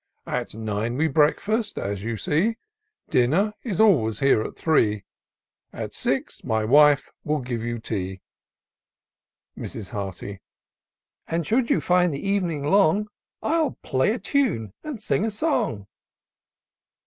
At nine we breakfast, as you see ; Dinner is always here atiAree ; At six, my wife will give you tea." Mrs. Hearty. " And should you find the evening long, I'll play a tune and sing a song."